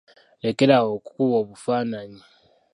Lekera awo okukuba obufaananyi.